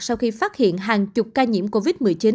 sau khi phát hiện hàng chục ca nhiễm covid một mươi chín